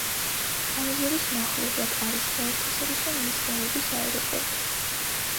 ტანჟერის მახლობლად არის საერთაშორისო მნიშვნელობის აეროპორტი.